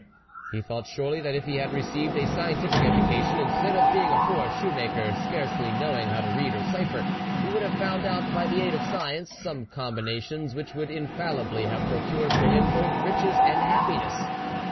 He thought surely that if he had received a scientific education, instead of being a poor shoemaker, scarcely know ing how to read or cypher, he would have found out, by the aid of science, some combinations which would infallibly have procured for him both riches and happi ness.